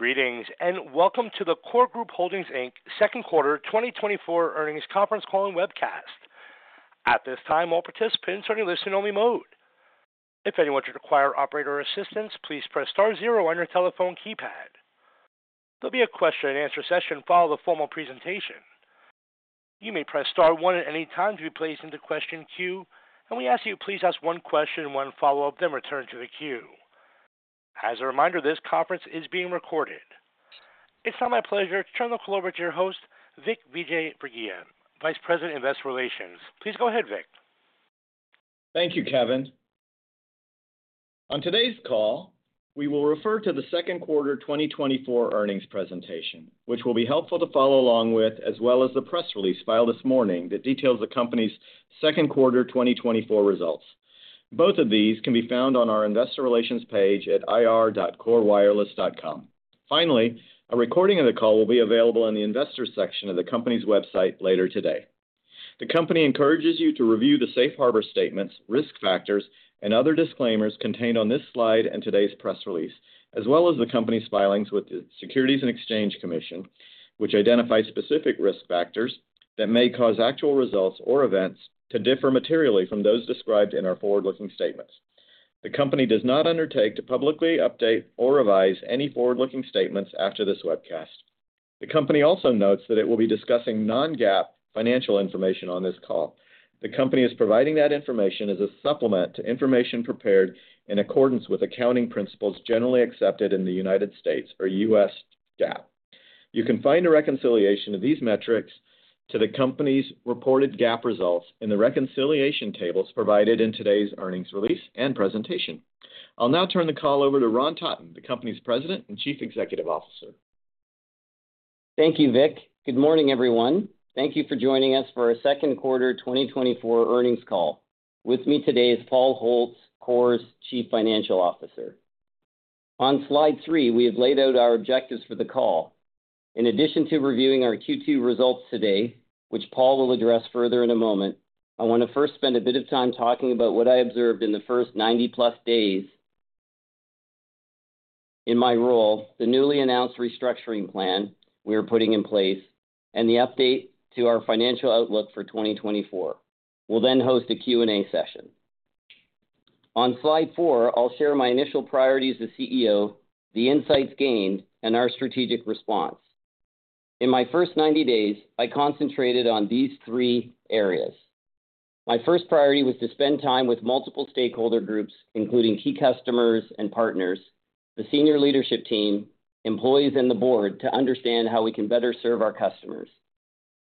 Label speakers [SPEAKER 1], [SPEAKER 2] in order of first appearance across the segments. [SPEAKER 1] Greetings, and welcome to the KORE Group Holdings, Inc. Second Quarter 2024 Earnings Conference Call and Webcast. At this time, all participants are in listen-only mode. If anyone should require operator assistance, please press star zero on your telephone keypad. There'll be a question-and-answer session to follow the formal presentation. You may press star one at any time to be placed into question queue, and we ask you to please ask one question and one follow-up, then return to the queue. As a reminder, this conference is being recorded. It's now my pleasure to turn the call over to your host, Vic Vijayraghavan, Vice President, Investor Relations. Please go ahead, Vic.
[SPEAKER 2] Thank you, Kevin. On today's call, we will refer to the second quarter 2024 earnings presentation, which will be helpful to follow along with, as well as the press release filed this morning that details the company's second quarter 2024 results. Both of these can be found on our investor relations page at ir.korewireless.com. Finally, a recording of the call will be available in the investors section of the company's website later today. The company encourages you to review the safe harbor statements, risk factors, and other disclaimers contained on this slide and today's press release, as well as the company's filings with the Securities and Exchange Commission, which identify specific risk factors that may cause actual results or events to differ materially from those described in our forward-looking statements. The company does not undertake to publicly update or revise any forward-looking statements after this webcast. The company also notes that it will be discussing non-GAAP financial information on this call. The company is providing that information as a supplement to information prepared in accordance with accounting principles generally accepted in the United States, or US GAAP. You can find a reconciliation of these metrics to the company's reported GAAP results in the reconciliation tables provided in today's earnings release and presentation. I'll now turn the call over to Ron Totton, the company's President and Chief Executive Officer.
[SPEAKER 3] Thank you, Vic. Good morning, everyone. Thank you for joining us for our Q2 2024 earnings call. With me today is Paul Holtz, KORE's Chief Financial Officer. On slide 3, we have laid out our objectives for the call. In addition to reviewing our Q2 results today, which Paul will address further in a moment, I want to first spend a bit of time talking about what I observed in the first 90+ days in my role, the newly announced restructuring plan we are putting in place, and the update to our financial outlook for 2024. We'll then host a Q&A session. On slide 4, I'll share my initial priorities as CEO, the insights gained, and our strategic response. In my first 90 days, I concentrated on these three areas. My first priority was to spend time with multiple stakeholder groups, including key customers and partners, the senior leadership team, employees, and the board, to understand how we can better serve our customers.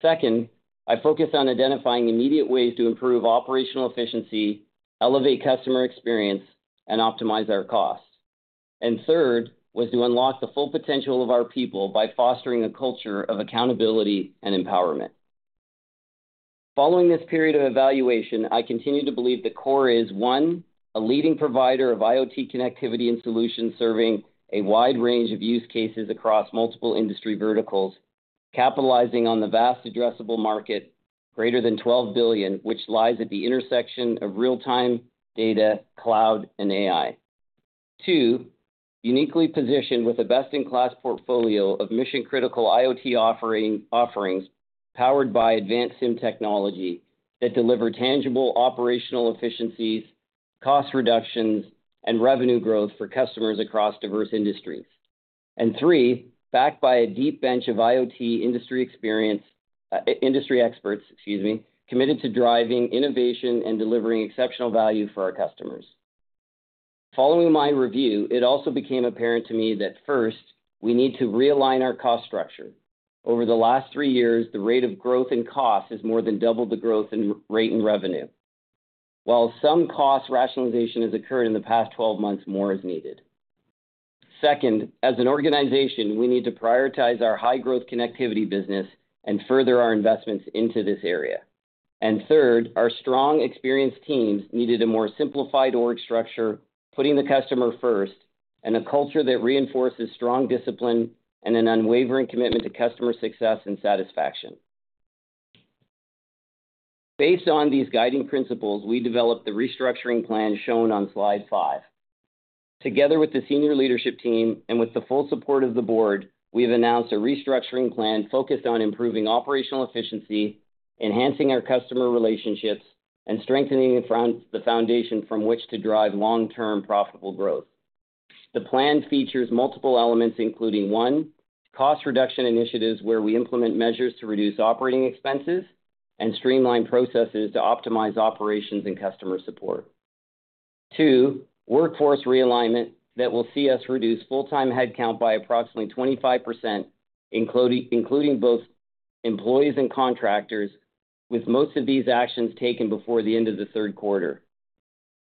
[SPEAKER 3] Second, I focused on identifying immediate ways to improve operational efficiency, elevate customer experience, and optimize our costs. Third, was to unlock the full potential of our people by fostering a culture of accountability and empowerment. Following this period of evaluation, I continue to believe that KORE is, one, a leading provider of IoT connectivity and solutions, serving a wide range of use cases across multiple industry verticals, capitalizing on the vast addressable market, greater than $12 billion, which lies at the intersection of real-time data, cloud, and AI. Two, uniquely positioned with a best-in-class portfolio of mission-critical IoT offerings powered by advanced SIM technology that deliver tangible operational efficiencies, cost reductions, and revenue growth for customers across diverse industries. And three, backed by a deep bench of IoT industry experience, industry experts, excuse me, committed to driving innovation and delivering exceptional value for our customers. Following my review, it also became apparent to me that, first, we need to realign our cost structure. Over the last 3 years, the rate of growth in cost has more than doubled the growth in rate and revenue. While some cost rationalization has occurred in the past 12 months, more is needed. Second, as an organization, we need to prioritize our high-growth connectivity business and further our investments into this area. Third, our strong, experienced teams needed a more simplified org structure, putting the customer first, and a culture that reinforces strong discipline and an unwavering commitment to customer success and satisfaction. Based on these guiding principles, we developed the restructuring plan shown on slide 5. Together with the senior leadership team and with the full support of the board, we have announced a restructuring plan focused on improving operational efficiency, enhancing our customer relationships, and strengthening the front, the foundation from which to drive long-term profitable growth. The plan features multiple elements, including one, cost reduction initiatives, where we implement measures to reduce operating expenses and streamline processes to optimize operations and customer support. Two, workforce realignment that will see us reduce full-time headcount by approximately 25%, including both employees and contractors, with most of these actions taken before the end of the third quarter.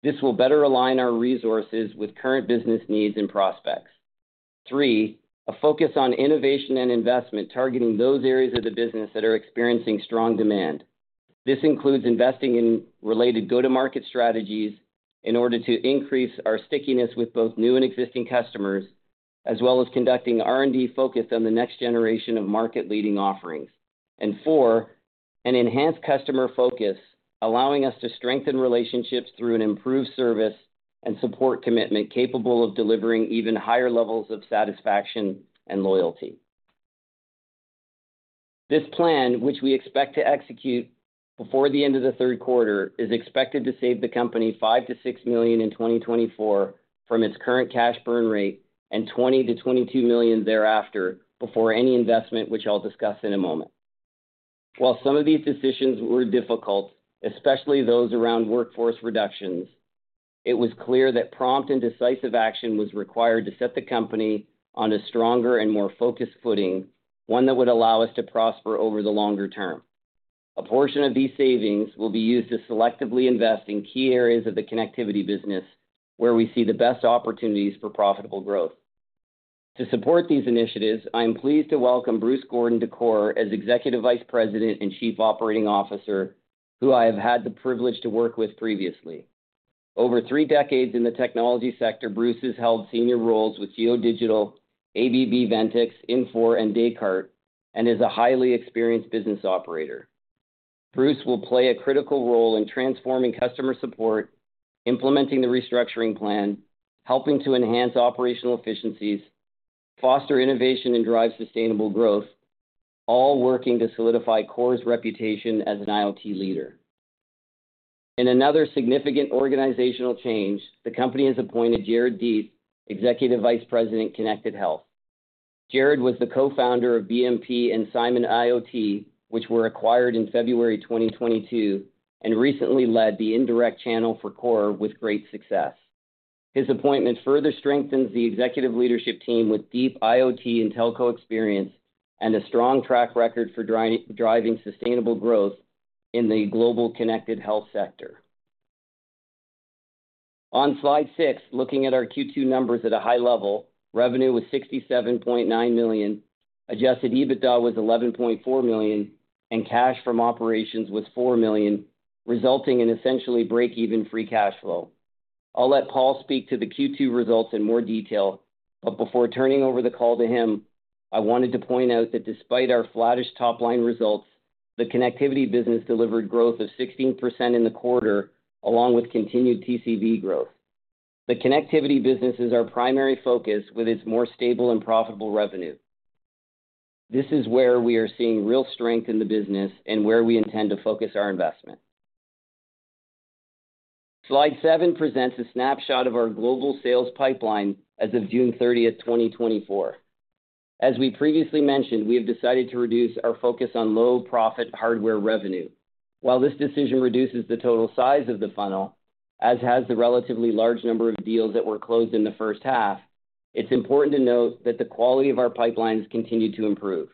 [SPEAKER 3] This will better align our resources with current business needs and prospects. Three, a focus on innovation and investment, targeting those areas of the business that are experiencing strong demand. This includes investing in related go-to-market strategies in order to increase our stickiness with both new and existing customers, as well as conducting R&D focused on the next generation of market-leading offerings. And four, enhance customer focus, allowing us to strengthen relationships through an improved service and support commitment, capable of delivering even higher levels of satisfaction and loyalty. This plan, which we expect to execute before the end of the third quarter, is expected to save the company $5 million-$6 million in 2024 from its current cash burn rate, and $20 million-$22 million thereafter, before any investment, which I'll discuss in a moment. While some of these decisions were difficult, especially those around workforce reductions, it was clear that prompt and decisive action was required to set the company on a stronger and more focused footing, one that would allow us to prosper over the longer term. A portion of these savings will be used to selectively invest in key areas of the connectivity business, where we see the best opportunities for profitable growth. To support these initiatives, I am pleased to welcome Bruce Gordon to KORE as Executive Vice President and Chief Operating Officer, who I have had the privilege to work with previously. Over three decades in the technology sector, Bruce has held senior roles with GeoDigital, ABB Ventyx, Infor, and Descartes, and is a highly experienced business operator. Bruce will play a critical role in transforming customer support, implementing the restructuring plan, helping to enhance operational efficiencies, foster innovation and drive sustainable growth, all working to solidify KORE's reputation as an IoT leader. In another significant organizational change, the company has appointed Jared Deith, Executive Vice President, Connected Health. Jared was the co-founder of BMP and Simon IoT, which were acquired in February 2022, and recently led the indirect channel for KORE with great success. His appointment further strengthens the executive leadership team with deep IoT and telco experience, and a strong track record for driving sustainable growth in the global connected health sector. On slide 6, looking at our Q2 numbers at a high level, revenue was $67.9 million, adjusted EBITDA was $11.4 million, and cash from operations was $4 million, resulting in essentially break-even free cash flow. I'll let Paul speak to the Q2 results in more detail, but before turning over the call to him, I wanted to point out that despite our flattish top-line results, the connectivity business delivered growth of 16% in the quarter, along with continued TCV growth. The connectivity business is our primary focus with its more stable and profitable revenue. This is where we are seeing real strength in the business and where we intend to focus our investment. Slide 7 presents a snapshot of our global sales pipeline as of June 30th, 2024. As we previously mentioned, we have decided to reduce our focus on low-profit hardware revenue. While this decision reduces the total size of the funnel, as has the relatively large number of deals that were closed in the first half, it's important to note that the quality of our pipelines continue to improve.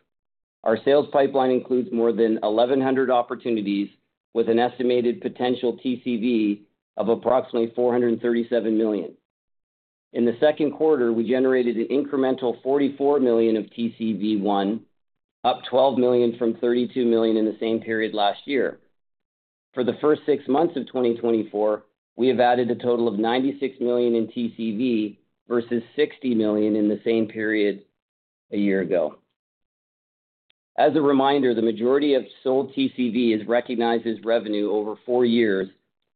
[SPEAKER 3] Our sales pipeline includes more than 1,100 opportunities, with an estimated potential TCV of approximately $437 million. In the second quarter, we generated an incremental $44 million of TCV won, up $12 million from $32 million in the same period last year. For the first six months of 2024, we have added a total of $96 million in TCV versus $60 million in the same period a year ago. As a reminder, the majority of sold TCV is recognized as revenue over four years,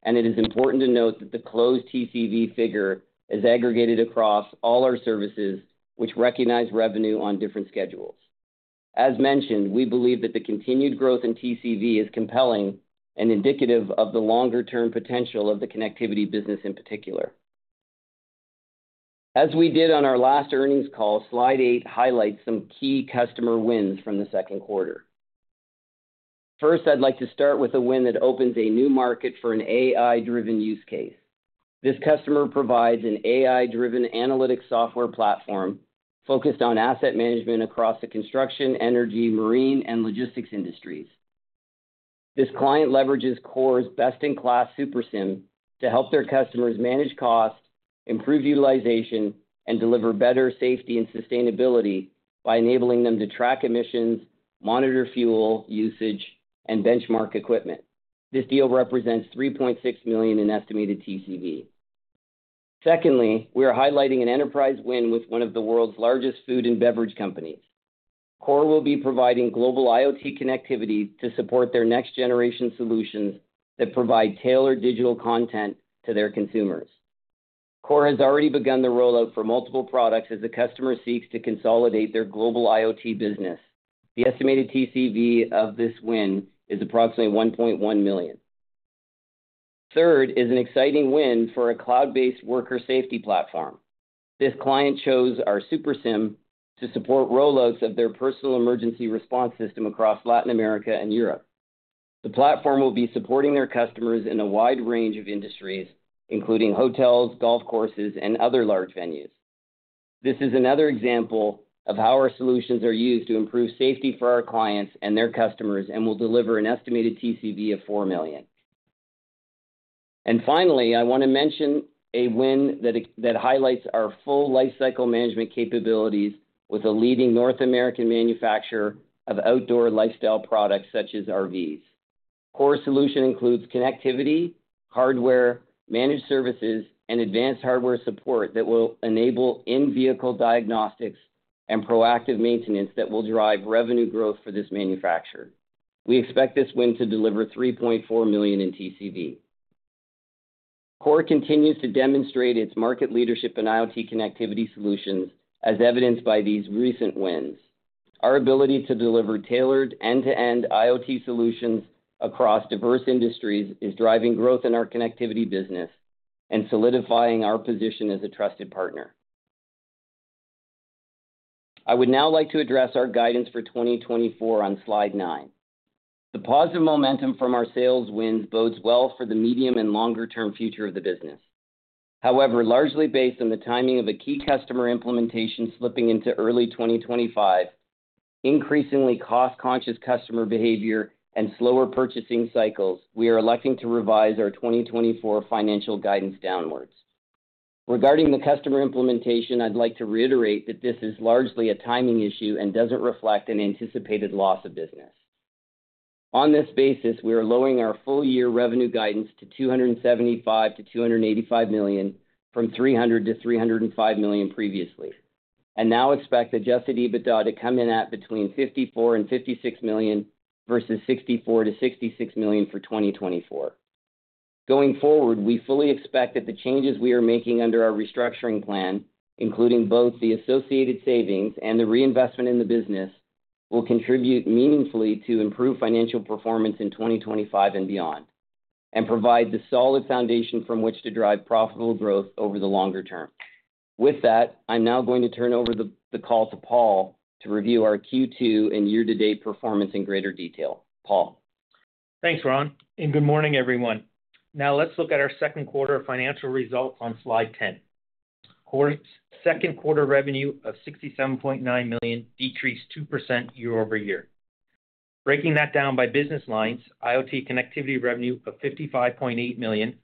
[SPEAKER 3] and it is important to note that the closed TCV figure is aggregated across all our services, which recognize revenue on different schedules. As mentioned, we believe that the continued growth in TCV is compelling and indicative of the longer-term potential of the connectivity business in particular. As we did on our last earnings call, slide 8 highlights some key customer wins from the second quarter. First, I'd like to start with a win that opens a new market for an AI-driven use case. This customer provides an AI-driven analytic software platform focused on asset management across the construction, energy, marine, and logistics industries. This client leverages KORE's best-in-class Super SIM to help their customers manage costs, improve utilization, and deliver better safety and sustainability by enabling them to track emissions, monitor fuel usage, and benchmark equipment. This deal represents $3.6 million in estimated TCV. Secondly, we are highlighting an enterprise win with one of the world's largest food and beverage companies. KORE will be providing global IoT connectivity to support their next-generation solutions that provide tailored digital content to their consumers. KORE has already begun the rollout for multiple products as the customer seeks to consolidate their global IoT business. The estimated TCV of this win is approximately $1.1 million. Third is an exciting win for a cloud-based worker safety platform. This client chose our Super SIM to support rollouts of their personal emergency response system across Latin America and Europe. The platform will be supporting their customers in a wide range of industries, including hotels, golf courses, and other large venues. This is another example of how our solutions are used to improve safety for our clients and their customers, and will deliver an estimated TCV of $4 million. And finally, I want to mention a win that highlights our full lifecycle management capabilities with a leading North American manufacturer of outdoor lifestyle products, such as RVs. KORE solution includes connectivity, hardware, managed services, and advanced hardware support that will enable in-vehicle diagnostics and proactive maintenance that will drive revenue growth for this manufacturer. We expect this win to deliver $3.4 million in TCV. KORE continues to demonstrate its market leadership in IoT connectivity solutions, as evidenced by these recent wins. Our ability to deliver tailored, end-to-end IoT solutions across diverse industries is driving growth in our connectivity business and solidifying our position as a trusted partner. I would now like to address our guidance for 2024 on slide 9. The positive momentum from our sales wins bodes well for the medium and longer-term future of the business. However, largely based on the timing of a key customer implementation slipping into early 2025, increasingly cost-conscious customer behavior, and slower purchasing cycles, we are electing to revise our 2024 financial guidance downwards. Regarding the customer implementation, I'd like to reiterate that this is largely a timing issue and doesn't reflect an anticipated loss of business. On this basis, we are lowering our full year revenue guidance to $275 million-$285 million, from $300 million-$305 million previously, and now expect Adjusted EBITDA to come in at between $54 million and $56 million, versus $64 million-$66 million for 2024. Going forward, we fully expect that the changes we are making under our restructuring plan, including both the associated savings and the reinvestment in the business, will contribute meaningfully to improved financial performance in 2025 and beyond, and provide the solid foundation from which to drive profitable growth over the longer term. With that, I'm now going to turn over the call to Paul to review our Q2 and year-to-date performance in greater detail. Paul?
[SPEAKER 4] Thanks, Ron, and good morning, everyone. Now let's look at our second quarter financial results on slide 10. KORE's second quarter revenue of $67.9 million decreased 2% year-over-year. Breaking that down by business lines, IoT connectivity revenue of $55.8 million,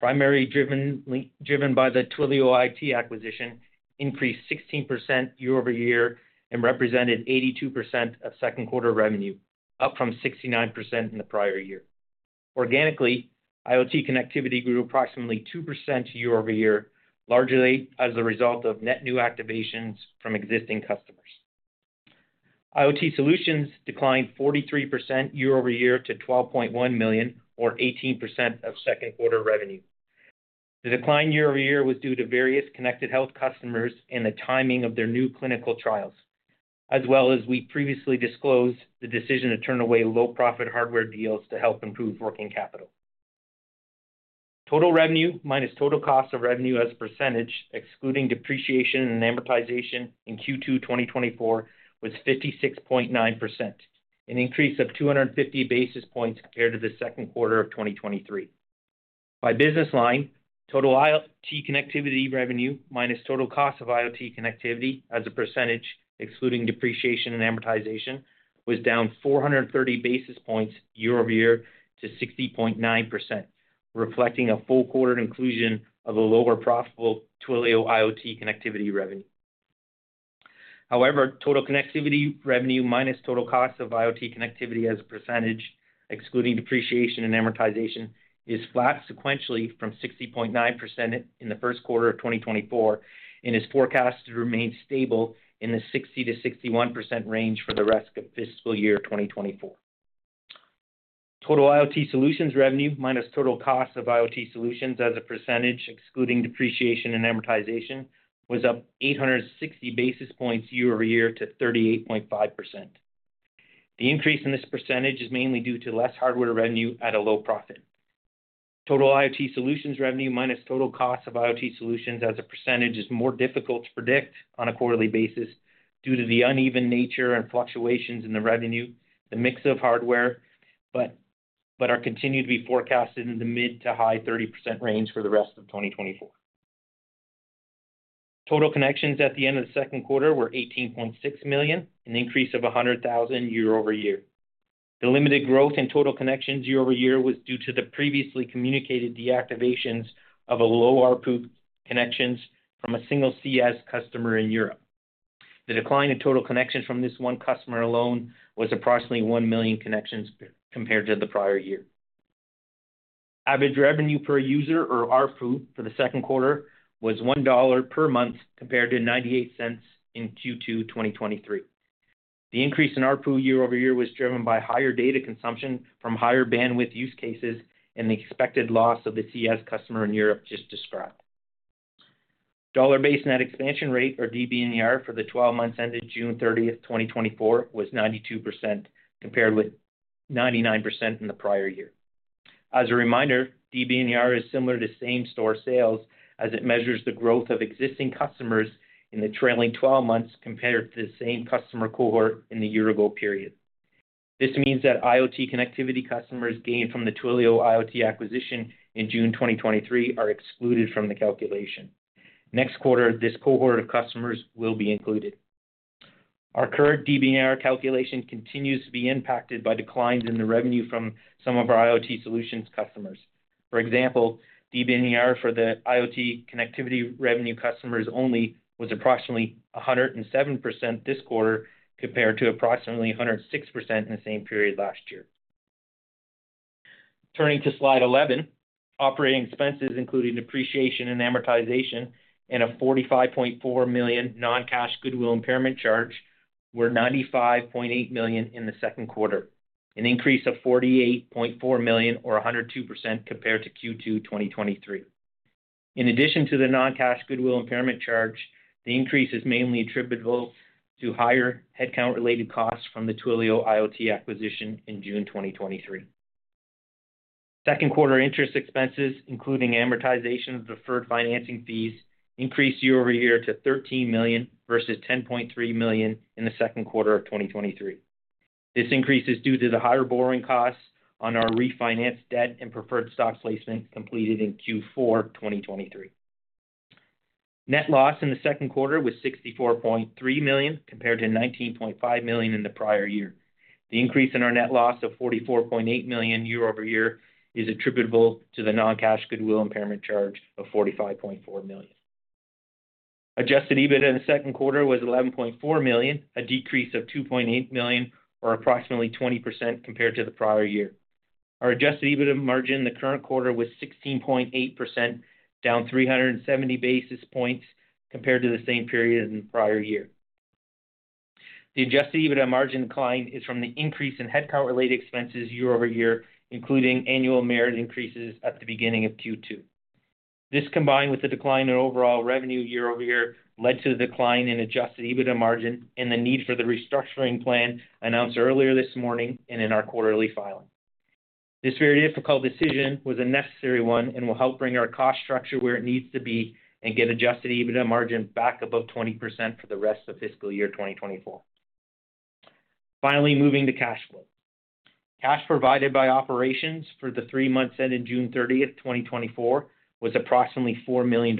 [SPEAKER 4] primarily driven by the Twilio IoT acquisition, increased 16% year-over-year and represented 82% of second quarter revenue, up from 69% in the prior year. Organically, IoT connectivity grew approximately 2% year-over-year, largely as a result of net new activations from existing customers. IoT solutions declined 43% year-over-year to $12.1 million, or 18% of second quarter revenue. The decline year-over-year was due to various Connected Health customers and the timing of their new clinical trials, as well as, we previously disclosed, the decision to turn away low-profit hardware deals to help improve working capital. Total revenue minus total cost of revenue as a percentage, excluding depreciation and amortization in Q2 2024, was 56.9%, an increase of 250 basis points compared to the second quarter of 2023. By business line, total IoT connectivity revenue minus total cost of IoT connectivity as a percentage, excluding depreciation and amortization, was down 430 basis points year-over-year to 60.9%, reflecting a full quarter inclusion of a lower profitable Twilio IoT connectivity revenue. However, total connectivity revenue minus total cost of IoT connectivity as a percentage, excluding depreciation and amortization, is flat sequentially from 60.9% in the first quarter of 2024, and is forecasted to remain stable in the 60%-61% range for the rest of fiscal year 2024. Total IoT solutions revenue minus total cost of IoT solutions as a percentage, excluding depreciation and amortization, was up 860 basis points year-over-year to 38.5%. The increase in this percentage is mainly due to less hardware revenue at a low profit. Total IoT solutions revenue minus total cost of IoT solutions as a percentage is more difficult to predict on a quarterly basis due to the uneven nature and fluctuations in the revenue, the mix of hardware, but are continued to be forecasted in the mid- to high-30% range for the rest of 2024. Total connections at the end of the second quarter were 18.6 million, an increase of 100,000 year-over-year. The limited growth in total connections year-over-year was due to the previously communicated deactivations of a low ARPU connections from a single CE customer in Europe. The decline in total connections from this one customer alone was approximately 1 million connections compared to the prior year. Average revenue per user, or ARPU, for the second quarter was $1 per month, compared to $0.98 in Q2 2023. The increase in ARPU year over year was driven by higher data consumption from higher bandwidth use cases and the expected loss of the CS customer in Europe just described. Dollar-based net expansion rate, or DBNER, for the 12 months ended June 30, 2024, was 92%, compared with 99% in the prior year. As a reminder, DBNER is similar to same-store sales, as it measures the growth of existing customers in the trailing 12 months compared to the same customer cohort in the year-ago period. This means that IoT connectivity customers gained from the Twilio IoT acquisition in June 2023 are excluded from the calculation. Next quarter, this cohort of customers will be included. Our current DBNER calculation continues to be impacted by declines in the revenue from some of our IoT solutions customers.... For example, DBNER for the IoT connectivity revenue customers only was approximately 107% this quarter, compared to approximately 106% in the same period last year. Turning to Slide 11, operating expenses, including depreciation and amortization, and a $45.4 million non-cash goodwill impairment charge, were $95.8 million in the second quarter, an increase of $48.4 million, or 102% compared to Q2 2023. In addition to the non-cash goodwill impairment charge, the increase is mainly attributable to higher headcount-related costs from the Twilio IoT acquisition in June 2023. Second quarter interest expenses, including amortization of deferred financing fees, increased year-over-year to $13 million, versus $10.3 million in the second quarter of 2023. This increase is due to the higher borrowing costs on our refinanced debt and preferred stock placement completed in Q4 2023. Net loss in the second quarter was $64.3 million, compared to $19.5 million in the prior year. The increase in our net loss of $44.8 million year-over-year is attributable to the non-cash goodwill impairment charge of $45.4 million. Adjusted EBITDA in the second quarter was $11.4 million, a decrease of $2.8 million, or approximately 20% compared to the prior year. Our adjusted EBITDA margin in the current quarter was 16.8%, down 370 basis points compared to the same period in the prior year. The adjusted EBITDA margin decline is from the increase in headcount-related expenses year-over-year, including annual merit increases at the beginning of Q2. This, combined with the decline in overall revenue year-over-year, led to the decline in Adjusted EBITDA margin and the need for the restructuring plan announced earlier this morning and in our quarterly filing. This very difficult decision was a necessary one and will help bring our cost structure where it needs to be and get Adjusted EBITDA margin back above 20% for the rest of fiscal year 2024. Finally, moving to cash flow. Cash provided by operations for the three months ending June 30th, 2024, was approximately $4 million,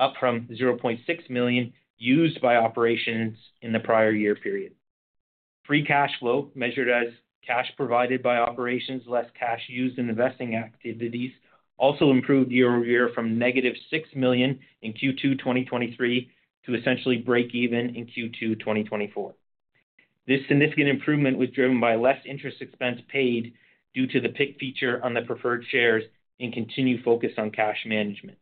[SPEAKER 4] up from $0.6 million used by operations in the prior year period. Free cash flow, measured as cash provided by operations, less cash used in investing activities, also improved year-over-year from -$6 million in Q2 2023, to essentially break even in Q2 2024. This significant improvement was driven by less interest expense paid due to the PIK feature on the preferred shares and continued focus on cash management.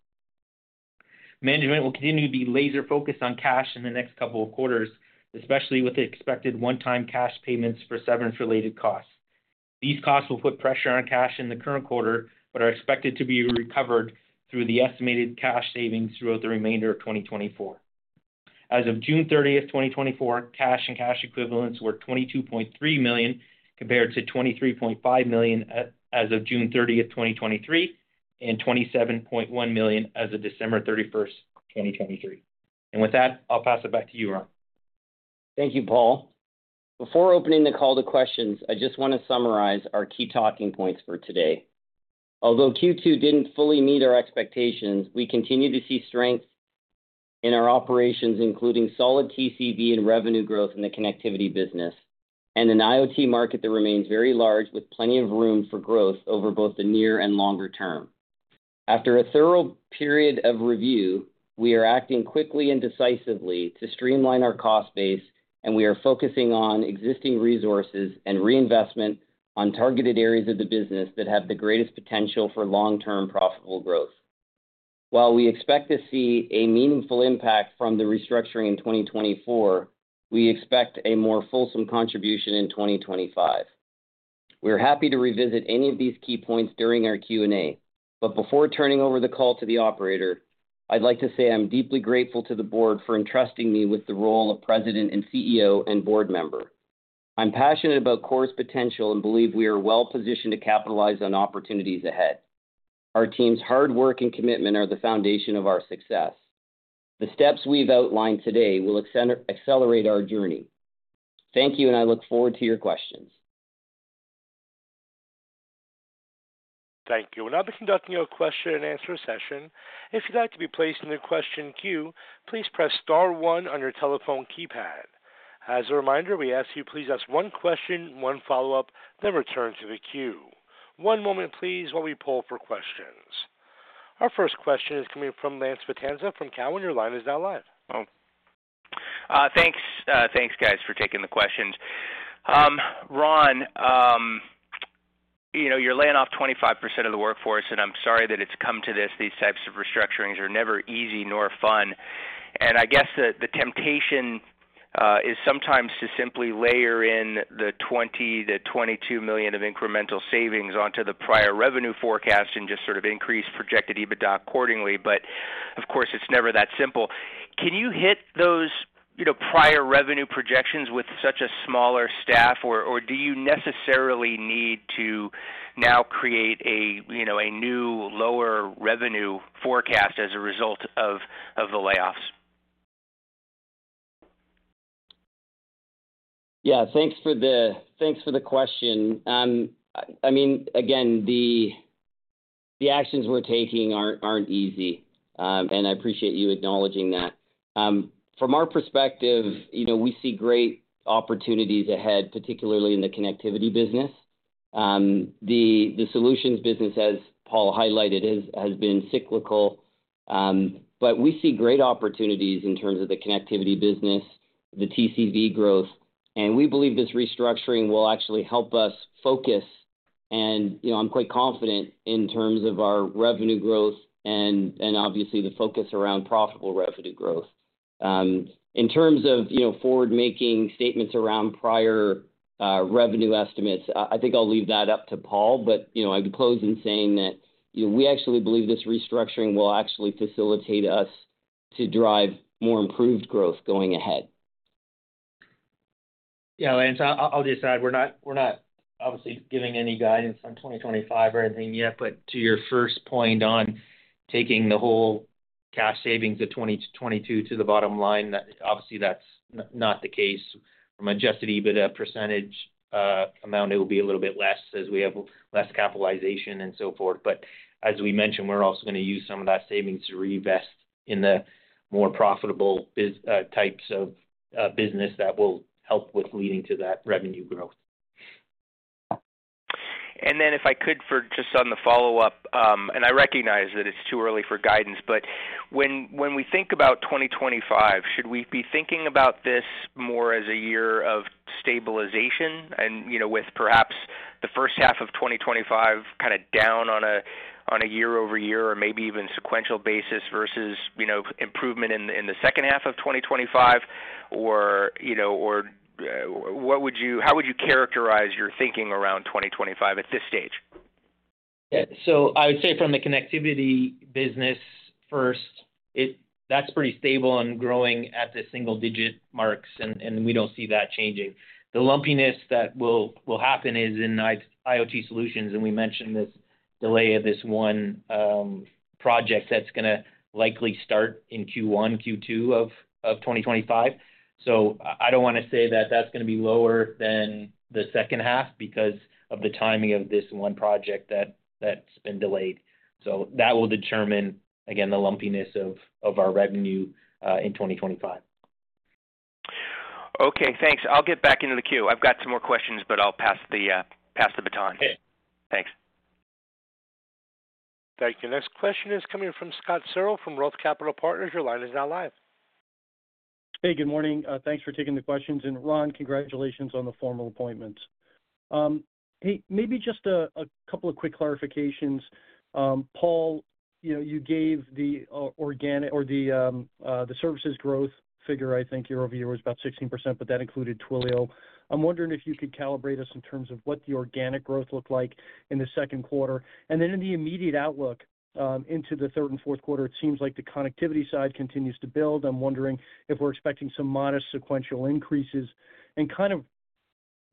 [SPEAKER 4] Management will continue to be laser focused on cash in the next couple of quarters, especially with the expected one-time cash payments for severance-related costs. These costs will put pressure on cash in the current quarter, but are expected to be recovered through the estimated cash savings throughout the remainder of 2024. As of June 30, 2024, cash and cash equivalents were $22.3 million, compared to $23.5 million as of June 30, 2023, and $27.1 million as of December 31, 2023. And with that, I'll pass it back to you, Ron.
[SPEAKER 3] Thank you, Paul. Before opening the call to questions, I just want to summarize our key talking points for today. Although Q2 didn't fully meet our expectations, we continue to see strength in our operations, including solid TCV and revenue growth in the connectivity business, and an IoT market that remains very large, with plenty of room for growth over both the near and longer term. After a thorough period of review, we are acting quickly and decisively to streamline our cost base, and we are focusing on existing resources and reinvestment on targeted areas of the business that have the greatest potential for long-term profitable growth. While we expect to see a meaningful impact from the restructuring in 2024, we expect a more fulsome contribution in 2025. We're happy to revisit any of these key points during our Q&A. But before turning over the call to the operator, I'd like to say I'm deeply grateful to the board for entrusting me with the role of President and CEO and board member. I'm passionate about KORE's potential and believe we are well positioned to capitalize on opportunities ahead. Our team's hard work and commitment are the foundation of our success. The steps we've outlined today will accelerate our journey. Thank you, and I look forward to your questions.
[SPEAKER 1] Thank you. We'll now be conducting a question-and-answer session. If you'd like to be placed in the question queue, please press star one on your telephone keypad. As a reminder, we ask you please ask one question, one follow-up, then return to the queue. One moment, please, while we poll for questions. Our first question is coming from Lance Vitanza from Cowen. Your line is now live.
[SPEAKER 4] Oh.
[SPEAKER 5] Thanks. Thanks, guys, for taking the questions. Ron, you know, you're laying off 25% of the workforce, and I'm sorry that it's come to this. These types of restructurings are never easy nor fun, and I guess the temptation is sometimes to simply layer in the $20 million-$22 million of incremental savings onto the prior revenue forecast and just sort of increase projected EBITDA accordingly. But, of course, it's never that simple. Can you hit those, you know, prior revenue projections with such a smaller staff? Or do you necessarily need to now create a, you know, a new lower revenue forecast as a result of the layoffs?
[SPEAKER 3] Yeah, thanks for the question. I mean, again, the actions we're taking aren't easy, and I appreciate you acknowledging that. From our perspective, you know, we see great opportunities ahead, particularly in the connectivity business. The solutions business, as Paul highlighted, has been cyclical. But we see great opportunities in terms of the connectivity business, the TCV growth, and we believe this restructuring will actually help us focus. You know, I'm quite confident in terms of our revenue growth and obviously the focus around profitable revenue growth. In terms of, you know, forward-looking statements around prior revenue estimates, I think I'll leave that up to Paul. you know, I'd close in saying that, you know, we actually believe this restructuring will actually facilitate us to drive more improved growth going ahead.
[SPEAKER 4] Yeah, Lance, I'll just add, we're not obviously giving any guidance on 2025 or anything yet, but to your first point on taking the whole cash savings of 2022 to the bottom line, that obviously that's not the case from Adjusted EBITDA percentage amount, it will be a little bit less as we have less capitalization and so forth. But as we mentioned, we're also gonna use some of that savings to reinvest in the more profitable biz types of business that will help with leading to that revenue growth.
[SPEAKER 5] Then if I could for just on the follow-up, and I recognize that it's too early for guidance, but when we think about 2025, should we be thinking about this more as a year of stabilization and, you know, with perhaps the first half of 2025, kind of, down on a, on a year-over-year or maybe even sequential basis versus, you know, improvement in, in the second half of 2025? Or, you know, or, what would you—how would you characterize your thinking around 2025 at this stage?
[SPEAKER 4] Yeah. So I would say from the connectivity business first, it's pretty stable and growing at the single-digit marks, and we don't see that changing. The lumpiness that will happen is in IoT solutions, and we mentioned this delay of this one project that's gonna likely start in Q1, Q2 of 2025. So I don't wanna say that that's gonna be lower than the second half because of the timing of this one project that's been delayed. So that will determine, again, the lumpiness of our revenue in 2025.
[SPEAKER 5] Okay, thanks. I'll get back into the queue. I've got some more questions, but I'll pass the baton.
[SPEAKER 4] Okay.
[SPEAKER 5] Thanks.
[SPEAKER 1] Thank you. Next question is coming from Scott Searle from Roth Capital Partners. Your line is now live.
[SPEAKER 6] Hey, good morning. Thanks for taking the questions. And Ron, congratulations on the formal appointment. Hey, maybe just a couple of quick clarifications. Paul, you know, you gave the organic or the services growth figure, I think, year-over-year was about 16%, but that included Twilio. I'm wondering if you could calibrate us in terms of what the organic growth looked like in the second quarter. And then in the immediate outlook into the third and fourth quarter, it seems like the connectivity side continues to build. I'm wondering if we're expecting some modest sequential increases. And kind of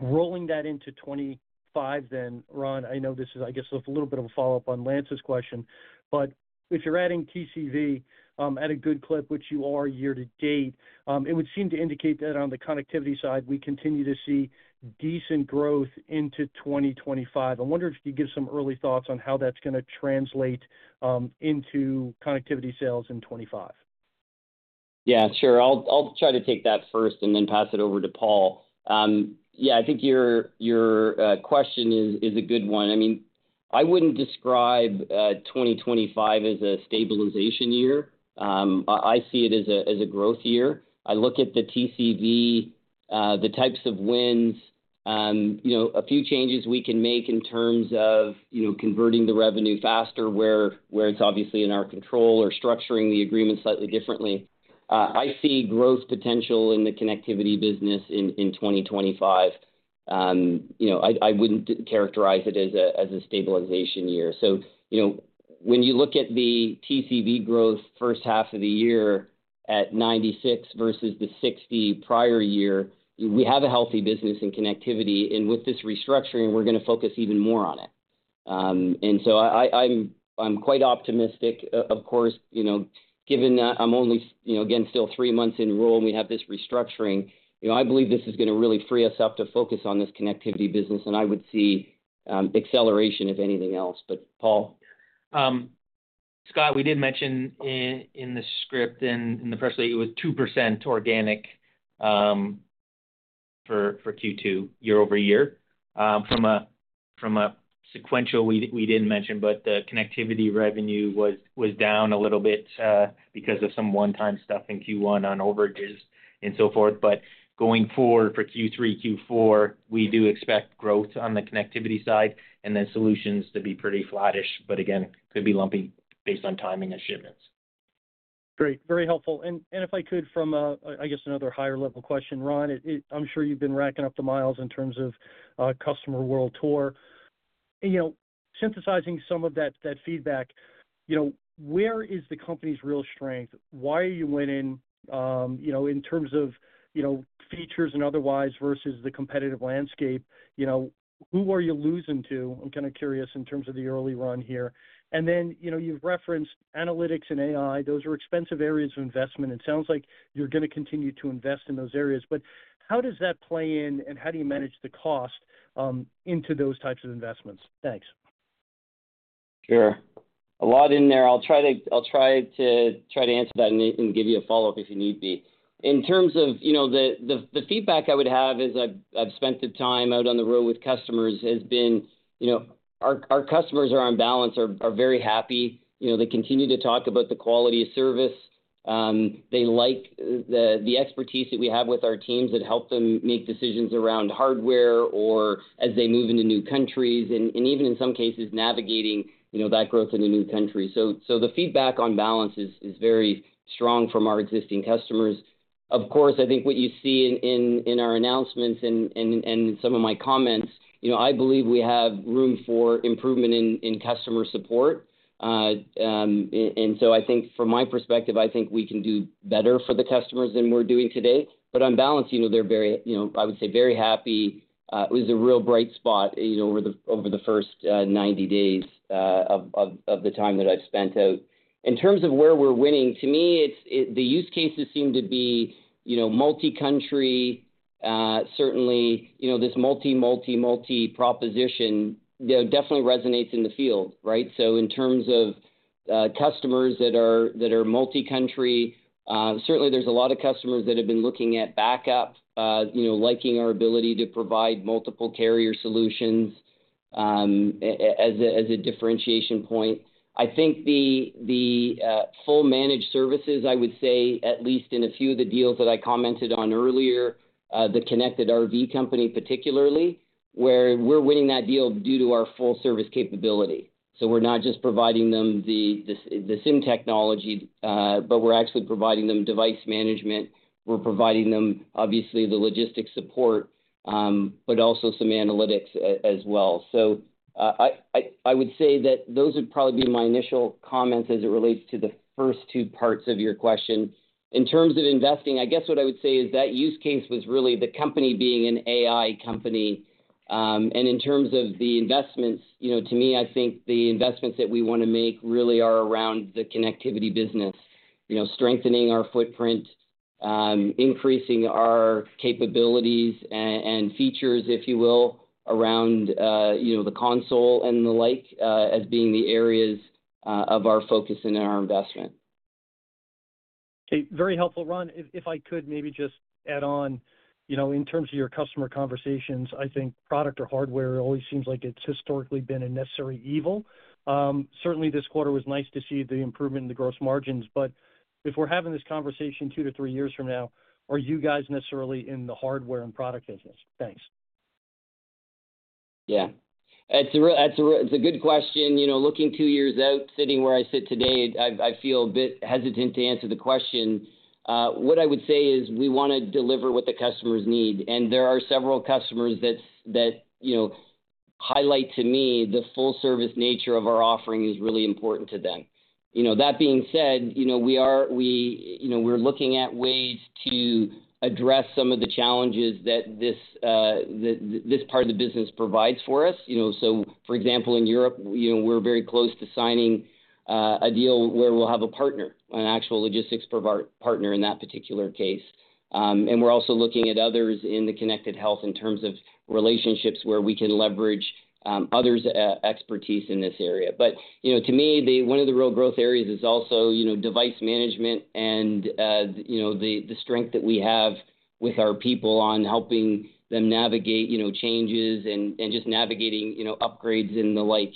[SPEAKER 6] rolling that into 2025 then, Ron, I know this is, I guess, a little bit of a follow-up on Lance's question, but if you're adding TCV at a good clip, which you are year to date, it would seem to indicate that on the connectivity side, we continue to see decent growth into 2025. I'm wondering if you could give some early thoughts on how that's gonna translate into connectivity sales in 2025.
[SPEAKER 3] Yeah, sure. I'll try to take that first and then pass it over to Paul. Yeah, I think your question is a good one. I mean, I wouldn't describe 2025 as a stabilization year. I see it as a growth year. I look at the TCV, the types of wins, you know, a few changes we can make in terms of, you know, converting the revenue faster, where it's obviously in our control or structuring the agreement slightly differently. I see growth potential in the connectivity business in 2025. You know, I wouldn't characterize it as a stabilization year. So, you know, when you look at the TCV growth first half of the year at 96 versus the 60 prior year, we have a healthy business in connectivity, and with this restructuring, we're gonna focus even more on it. And so I'm quite optimistic, of course, you know, given that I'm only, you know, again, still three months in role, and we have this restructuring, you know, I believe this is gonna really free us up to focus on this connectivity business. And I would see acceleration, if anything else, but Paul?
[SPEAKER 4] Scott, we did mention it in the script and in the press release, it was 2% organic, for Q2 year-over-year. From a sequential, we didn't mention, but the connectivity revenue was down a little bit, because of some one-time stuff in Q1 on overages and so forth. But going forward for Q3, Q4, we do expect growth on the connectivity side and then solutions to be pretty flattish, but again, could be lumpy based on timing and shipments.
[SPEAKER 6] Great. Very helpful. And if I could, from a, I guess, another higher level question, Ron, it—I'm sure you've been racking up the miles in terms of customer world tour. You know, synthesizing some of that feedback, you know, where is the company's real strength? Why are you winning, you know, in terms of, you know, features and otherwise versus the competitive landscape, you know, who are you losing to? I'm kind of curious in terms of the early run here. And then, you know, you've referenced analytics and AI. Those are expensive areas of investment. It sounds like you're gonna continue to invest in those areas, but how does that play in, and how do you manage the cost into those types of investments? Thanks....
[SPEAKER 3] Sure. A lot in there. I'll try to, I'll try to, try to answer that and, and give you a follow-up if you need be. In terms of, you know, the, the, the feedback I would have as I've, I've spent some time out on the road with customers has been, you know, our, our customers are on balance, are, are very happy. You know, they continue to talk about the quality of service. They like the, the expertise that we have with our teams that help them make decisions around hardware or as they move into new countries, and, and even in some cases, navigating, you know, that growth in a new country. So, so the feedback on balance is, is very strong from our existing customers. Of course, I think what you see in our announcements and some of my comments, you know, I believe we have room for improvement in customer support. So I think from my perspective, I think we can do better for the customers than we're doing today. But on balance, you know, they're very, you know, I would say very happy. It was a real bright spot, you know, over the first 90 days of the time that I've spent out. In terms of where we're winning, to me, it's, the use cases seem to be, you know, multi-country. Certainly, you know, this multi proposition, you know, definitely resonates in the field, right? So in terms of customers that are multi-country, certainly there's a lot of customers that have been looking at backup, you know, liking our ability to provide multiple carrier solutions, as a differentiation point. I think the full managed services, I would say, at least in a few of the deals that I commented on earlier, the connected RV company, particularly, where we're winning that deal due to our full service capability. So we're not just providing them the SIM technology, but we're actually providing them device management. We're providing them, obviously, the logistics support, but also some analytics as well. So I would say that those would probably be my initial comments as it relates to the first two parts of your question. In terms of investing, I guess what I would say is that use case was really the company being an AI company. In terms of the investments, you know, to me, I think the investments that we wanna make really are around the connectivity business. You know, strengthening our footprint, increasing our capabilities and features, if you will, around, you know, the console and the like, as being the areas of our focus and our investment.
[SPEAKER 6] Okay, very helpful, Ron. If, if I could maybe just add on, you know, in terms of your customer conversations, I think product or hardware always seems like it's historically been a necessary evil. Certainly this quarter was nice to see the improvement in the gross margins, but if we're having this conversation two to three years from now, are you guys necessarily in the hardware and product business? Thanks.
[SPEAKER 3] Yeah. That's a real-- That's a real... It's a good question. You know, looking two years out, sitting where I sit today, I feel a bit hesitant to answer the question. What I would say is we wanna deliver what the customers need, and there are several customers that, you know, highlight to me, the full service nature of our offering is really important to them. You know, that being said, you know, we are, you know, we're looking at ways to address some of the challenges that this part of the business provides for us. You know, so for example, in Europe, you know, we're very close to signing a deal where we'll have a partner, an actual logistics provider partner in that particular case. And we're also looking at others in the Connected Health in terms of relationships where we can leverage others' expertise in this area. But, you know, to me, the one of the real growth areas is also, you know, device management and, you know, the strength that we have with our people on helping them navigate, you know, changes and, and just navigating, you know, upgrades and the like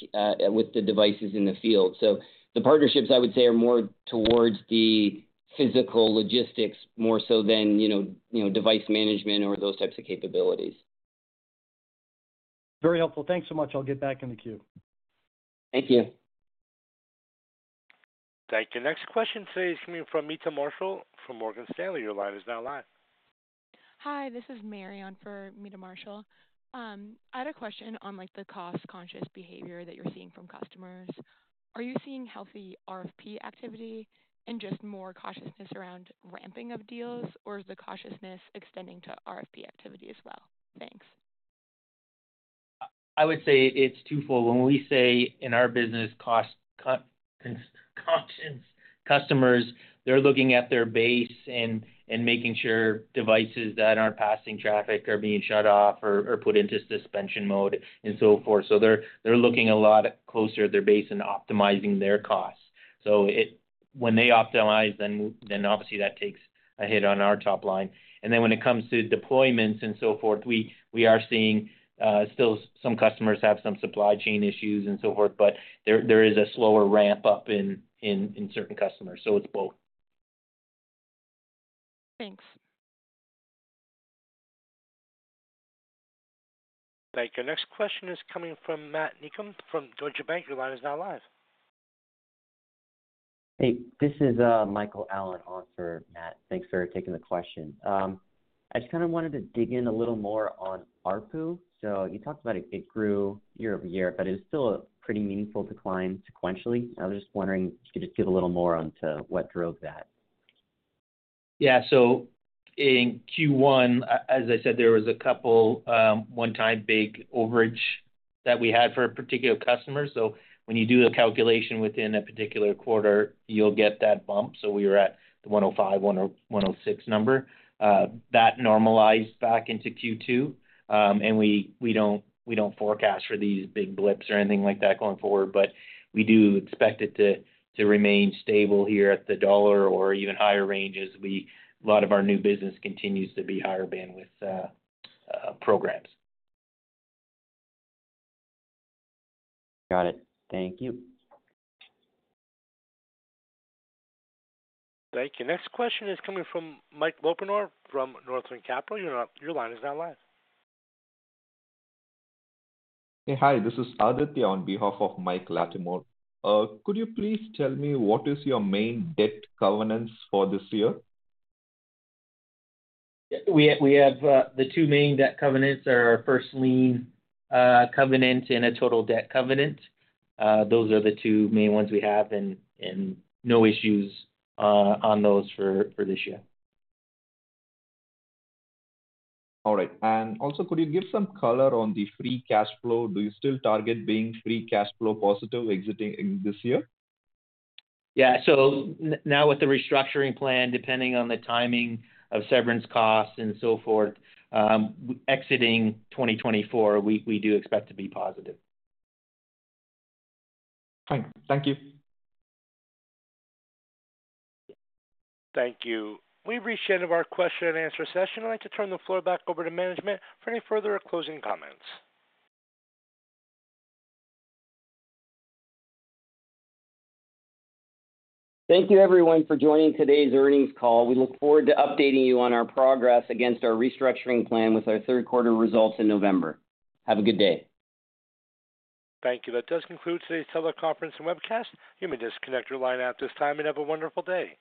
[SPEAKER 3] with the devices in the field. So the partnerships, I would say, are more towards the physical logistics, more so than, you know, you know, device management or those types of capabilities.
[SPEAKER 6] Very helpful. Thanks so much. I'll get back in the queue.
[SPEAKER 3] Thank you.
[SPEAKER 1] Thank you. Next question today is coming from Meta Marshall from Morgan Stanley. Your line is now live.
[SPEAKER 7] Hi, this is Mary on for Meta Marshall. I had a question on, like, the cost-conscious behavior that you're seeing from customers. Are you seeing healthy RFP activity and just more cautiousness around ramping of deals, or is the cautiousness extending to RFP activity as well? Thanks.
[SPEAKER 3] I would say it's twofold. When we say in our business, cost-conscious customers, they're looking at their base and, and making sure devices that aren't passing traffic are being shut off or, or put into suspension mode and so forth. So they're, they're looking a lot closer at their base and optimizing their costs. So it... When they optimize, then, then obviously that takes a hit on our top line. And then when it comes to deployments and so forth, we, we are seeing, still some customers have some supply chain issues and so forth, but there, there is a slower ramp-up in, in, in certain customers. So it's both.
[SPEAKER 7] Thanks.
[SPEAKER 1] Thank you. Next question is coming from Matt Niknam from Deutsche Bank. Your line is now live.
[SPEAKER 6] Hey, this is Michael Allen on for Matt. Thanks for taking the question. I just kind of wanted to dig in a little more on ARPU. So you talked about it, it grew year-over-year, but it was still a pretty meaningful decline sequentially. I was just wondering if you could just give a little more into what drove that.
[SPEAKER 3] Yeah. So in Q1, as I said, there was a couple one-time big overage-...
[SPEAKER 4] that we had for a particular customer. So when you do the calculation within a particular quarter, you'll get that bump. So we were at the 105, 106 number. That normalized back into Q2. And we don't forecast for these big blips or anything like that going forward, but we do expect it to remain stable here at the dollar or even higher ranges. A lot of our new business continues to be higher bandwidth programs. Got it. Thank you.
[SPEAKER 1] Thank you. Next question is coming from Mike Latimore from Northland Capital Markets. Your line is now live.
[SPEAKER 8] Hey, hi, this is Aditya on behalf of Mike Latimore. Could you please tell me, what is your main debt covenants for this year?
[SPEAKER 4] We have the two main debt covenants are our first lien covenant and a total debt covenant. Those are the two main ones we have, and no issues on those for this year.
[SPEAKER 8] All right. And also, could you give some color on the free cash flow? Do you still target being free cash flow positive exiting this year?
[SPEAKER 4] Yeah. So now with the restructuring plan, depending on the timing of severance costs and so forth, exiting 2024, we, we do expect to be positive.
[SPEAKER 8] Fine. Thank you.
[SPEAKER 1] Thank you. We've reached the end of our question-and-answer session. I'd like to turn the floor back over to management for any further closing comments.
[SPEAKER 4] Thank you, everyone, for joining today's earnings call. We look forward to updating you on our progress against our restructuring plan with our third quarter results in November. Have a good day.
[SPEAKER 1] Thank you. That does conclude today's teleconference and webcast. You may disconnect your line at this time and have a wonderful day.